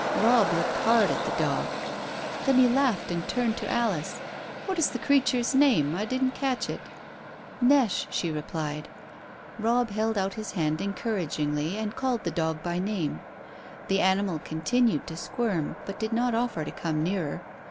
Robb looked hard at the dog. Then he laughed and turned to Alice. "What is the creature's name? I didn't catch it." "Neche," she replied. Robb held out his hand encouragingly and called the dog by name. The animal continued to squirm but did not offer to come nearer.